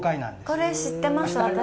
これ知ってます、私。